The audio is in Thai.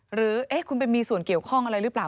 หรือคุณไปมีส่วนเกี่ยวข้องอะไรหรือเปล่า